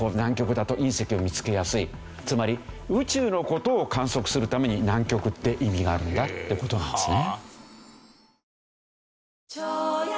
つまり宇宙の事を観測するために南極って意味があるんだって事なんですね。